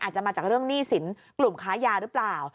อาจจะมาจากเรื่องหนี้สินกลุ่มค้ายาหรือเปล่า